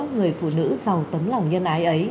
người phụ nữ giàu tấm lòng nhân ái ấy